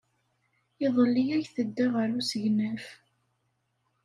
Iḍelli ay tedda ɣer usegnaf.